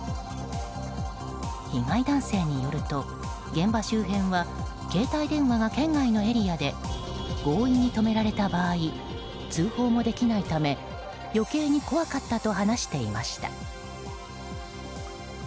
被害男性によると、現場周辺は携帯電話が圏外のエリアで強引に止められた場合通報もできないため余計に怖かったと話していました。